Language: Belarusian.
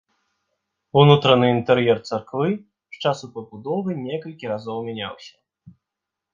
Унутраны інтэр'ер царквы з часу пабудовы некалькі разоў мяняўся.